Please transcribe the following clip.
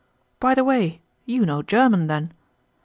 "By the way, you know German, then?"